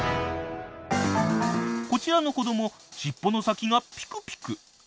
こちらの子どもしっぽの先がピクピク。